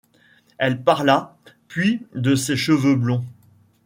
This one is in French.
elle parla, puis de ses cheveux blonds